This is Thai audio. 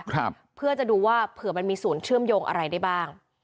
ครับเพื่อจะดูว่าเผื่อมันมีศูนย์เชื่อมโยงอะไรได้บ้าง